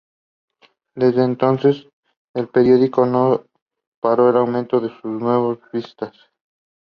Her crew refused to leave.